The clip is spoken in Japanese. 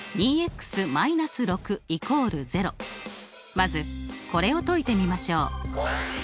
まずこれを解いてみましょう。